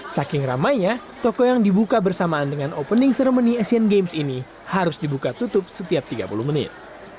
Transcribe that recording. saking ramainya toko yang dibuka bersamaan dengan opening ceremony asian games ini harus dibuka tutup setiap tiga puluh menit